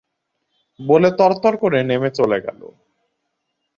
বলে তর তর করে নেমে চলে গেল।